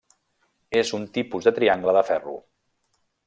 És un tipus de triangle de ferro.